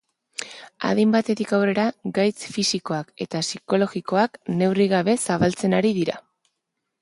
Adin batetik aurrera gaitz fisikoak eta psikikoak neurri gabe zabaltzen ari dira.